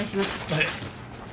はい。